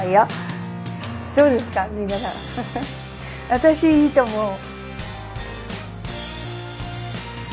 私いいと思う。